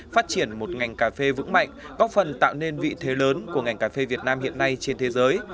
phát triển một ngành cà phê vững mạnh góp phần tạo nên vị thế lớn của ngành cà phê việt nam hiện nay trên thế giới